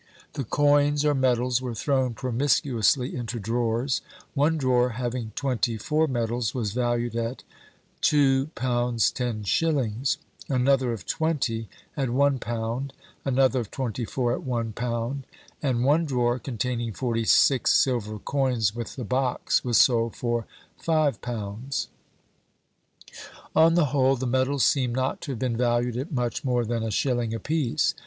The coins or medals were thrown promiscuously into drawers; one drawer having twenty four medals, was valued at £2 10_s_.; another of twenty, at £1; another of twenty four, at £1; and one drawer, containing forty six silver coins with the box, was sold for £5. On the whole the medals seem not to have been valued at much more than a shilling a piece.